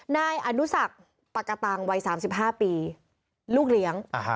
นายอนุสักปากะตังวัย๓๕ปีลูกเลี้ยง